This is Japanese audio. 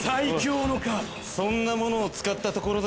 そんなものを使ったところで。